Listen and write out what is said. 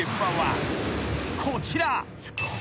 ［こちら］